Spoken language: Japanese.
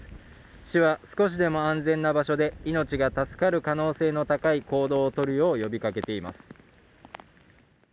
市は少しでも安全な場所で命が助かる可能性が高い行動をとるよう呼びかけています。